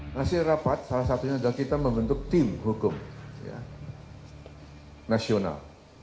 hasil rapat salah satunya adalah kita membentuk tim hukum nasional